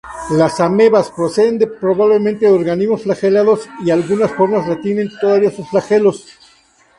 Las amebas proceden probablemente de organismos flagelados y algunas formas retienen todavía sus flagelos.